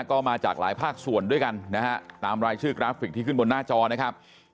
ก็มาจากหลายภาคส่วนด้วยกันนะฮะตามรายชื่อกราฟิกที่ขึ้นบนหน้าจอนะครับ